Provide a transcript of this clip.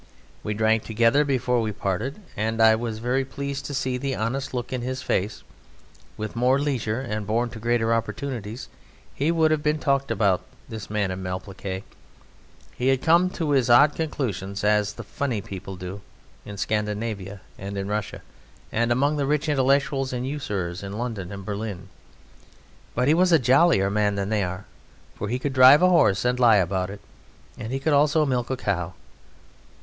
We drank together before we parted, and I was very pleased to see the honest look in his face. With more leisure and born to greater opportunities he would have been talked about, this Man of Malplaquet. He had come to his odd conclusions as the funny people do in Scandinavia and in Russia, and among the rich intellectuals and usurers in London and Berlin; but he was a jollier man than they are, for he could drive a horse and lie about it, and he could also milk a cow.